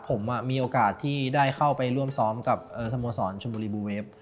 ผมมีโอกาสที่ได้เข้าไปร่วมซ้อมกับสโมสรชมบุรีบูเวฟ